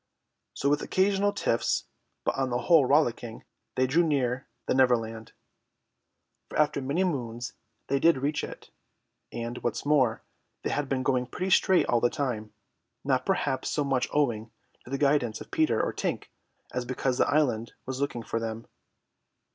So with occasional tiffs, but on the whole rollicking, they drew near the Neverland; for after many moons they did reach it, and, what is more, they had been going pretty straight all the time, not perhaps so much owing to the guidance of Peter or Tink as because the island was looking for them.